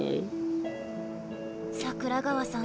桜川さん